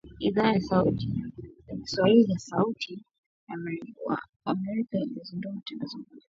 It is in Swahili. Idhaa ya Kiswahili ya Sauti ya Amerika ilizindua matangazo ya moja kwa moja